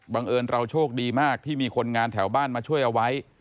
เอิญเราโชคดีมากที่มีคนงานแถวบ้านมาช่วยเอาไว้